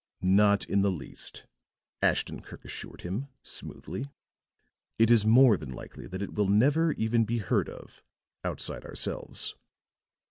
"Not in the least," Ashton Kirk assured him, smoothly. "It is more than likely that it will never even be heard of outside ourselves."